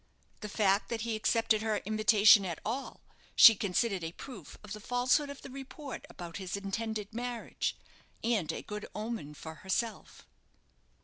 The fact that he accepted her invitation at all, she considered a proof of the falsehood of the report about his intended marriage, and a good omen for herself.